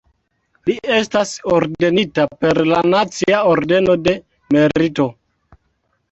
Li estas ordenita per la Nacia ordeno de Merito.